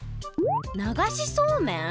ながしそうめん？